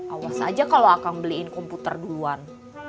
awas aja kalau akan beliin komputer duluan